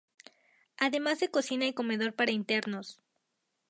Además de Cocina y Comedor para Internos.